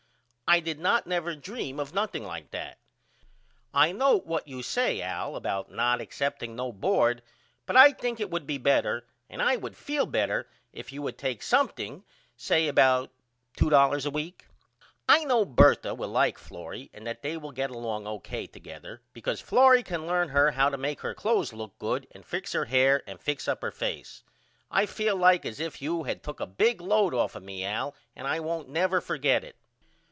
I did not never dream of nothing like that. I note what you say Al about not excepting no bord but I think it would be better and I would feel better if you would take something say about $2 a week. I know Bertha will like Florrie and that they will get along O.K. together because Florrie can learn her how to make her cloths look good and fix her hair and fix up her face. I feel like as if you had took a big load off of me Al and I won't never forget it.